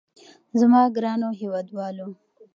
زما ګرانو هېوادوالو.